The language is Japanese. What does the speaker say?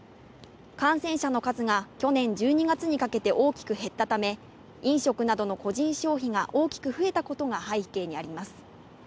感染者の数が去年１２月にかけて大きく減ったため、飲食などの個人消費が大きく増えたことが背景にあります。